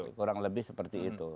kurang lebih seperti itu